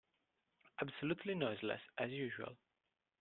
Absolutely noiseless, as usual.